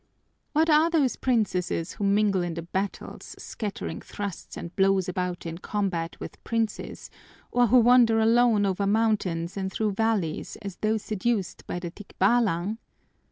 What are those princesses who mingle in the battles, scattering thrusts and blows about in combat with princes, or who wander alone over mountains and through valleys as though seduced by the tikbálang?